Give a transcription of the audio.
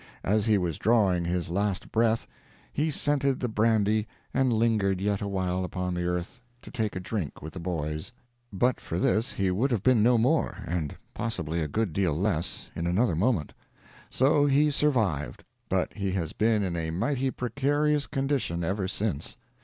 As he was drawing his last breath, he scented the brandy and lingered yet a while upon the earth, to take a drink with the boys. But for this, he would have been no more and possibly a good deal less—in another moment. So he survived; but he has been in a mighty precarious condition ever since.